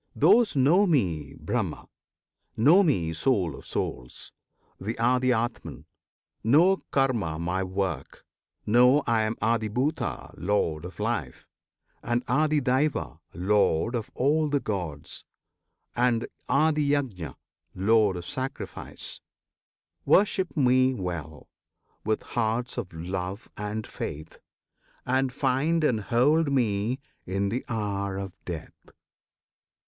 Those know Me BRAHMA; know Me Soul of Souls, The ADHYATMAN; know KARMA, my work; Know I am ADHIBHUTA, Lord of Life, And ADHIDAIVA, Lord of all the Gods, And ADHIYAJNA, Lord of Sacrifice; Worship Me well, with hearts of love and faith, And find and hold me in the hour of death.